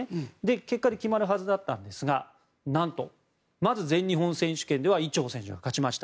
結果、決まるはずだったんですが何と、まず全日本選手権では伊調選手が勝ちました。